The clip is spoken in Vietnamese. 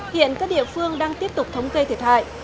hiện các địa phương đang tiếp tục thống kê thiệt hại